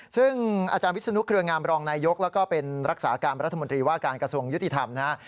ซึ่งอาจารย์วิศนุเครื่องงามรองนายยกและรักษากรรมรัฐมนตรีว่าการกระทรวงยุติธรรม